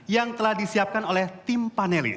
yang telah disiapkan oleh tim panel ini